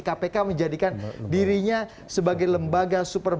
kpk menjadikan dirinya sebagai lembaga super